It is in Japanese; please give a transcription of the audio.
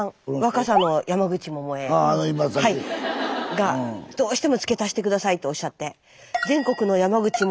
がどうしても付け足して下さいとおっしゃって。